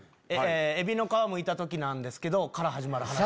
「エビの皮剥いた時なんですけど」から始まる話。